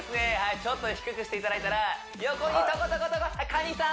ちょっと低くしていただいたら横にトコトコトコカニさん